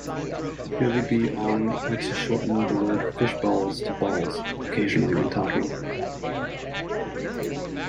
Billy B. Ong likes to shorten the word "fishballs" to "balls" occasionally when talking.